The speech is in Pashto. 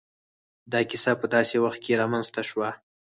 دا کيسه په داسې وخت کې را منځ ته شوه.